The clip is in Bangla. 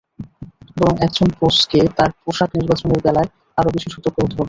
বরং একজন বসকে তাঁর পোশাক নির্বাচনের বেলায় আরও বেশি সতর্ক হতে হবে।